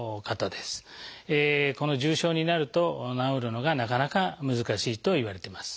この重症になると治るのがなかなか難しいといわれてます。